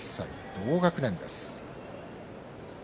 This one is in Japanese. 同学年です。